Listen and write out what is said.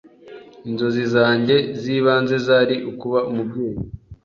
"Inzozi zanjye z’ibanze zari ukuba umubyeyi